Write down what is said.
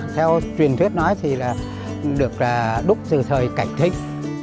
theo truyền thuyết nói thì là được đúc từ thời cảnh thích